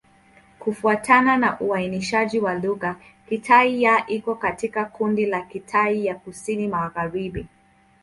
Kufuatana na uainishaji wa lugha, Kitai-Ya iko katika kundi la Kitai ya Kusini-Magharibi.